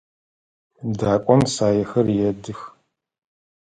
Дакӏом саехэр едых.